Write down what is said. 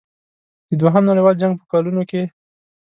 د دوهم نړیوال جنګ په کلونو کې.